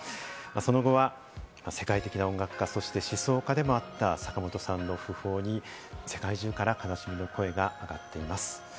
その後は世界的な音楽家、そして思想家でもあった坂本さんの訃報に世界中から悲しみの声が上がっています。